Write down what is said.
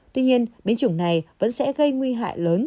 tuy nhiên biến chủng này vẫn sẽ gây nguy hại lớn